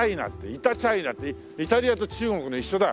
イタチャイナってイタリアと中国の一緒だ。